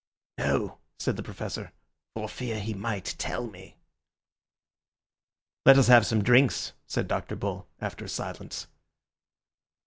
"No," said the Professor, "for fear he might tell me." "Let us have some drinks," said Dr. Bull, after a silence.